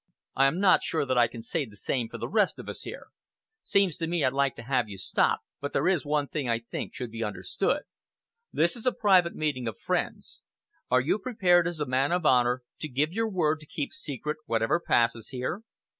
I am not sure that I can say the same for the rest of us here. Seems to me I'd like to have you stop; but there is one thing I think should be understood. This is a private meeting of friends. Are you prepared, as a man of honor, to give your word to keep secret whatever passes here?"